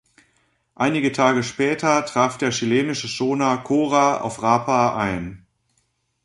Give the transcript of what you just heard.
Einige Tage später traf der chilenische Schoner "Cora" auf Rapa ein.